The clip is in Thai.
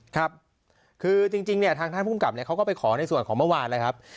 ครับคือจริงเนี่ยทางท่านภูมิกับเนี่ยเขาก็ไปขอในส่วนของเมื่อวานแล้วครับ